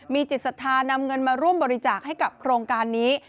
มีจิตศรัทธานำเงินมาร่วมบริจาคให้กับโครงการนี้